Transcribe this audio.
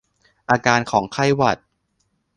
อาการของไข้หวัด